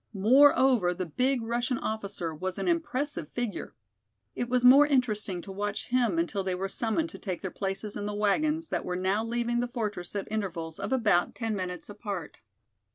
Moreover, the big Russian officer was an impressive figure. It was more interesting to watch him until they were summoned to take their places in the wagons that were now leaving the fortress at intervals of about ten minutes apart.